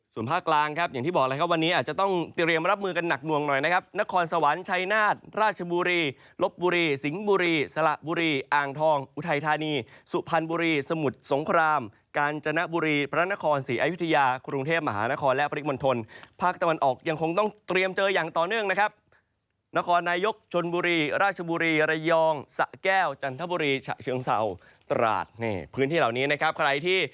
ส่วนภาคกลางครับอย่างที่บอกแล้ววันนี้อาจจะต้องเตรียมมารับมือกันหนักมวงหน่อยนะครับนครสวรรค์ชัยนาธิ์ราชบุรียรมลบบุรียรมสิงห์บุรียรมสละบุรียรมอ่างทองยรมอุทัยธานียรมสุพรรณบุรียรมสมุทรสงครามยรมกาญจนบุรียรมพระนครสีอายุทยายรมคลุงเทพฯมหานครแล